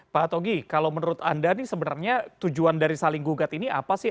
pak togi kalau menurut anda ini sebenarnya tujuan dari saling gugat ini apa sih